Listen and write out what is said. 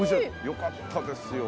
よかったですよ。